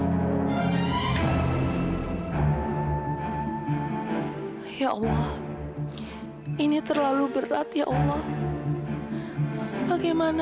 inilah beberapa kabar untuk menghargai pada mereka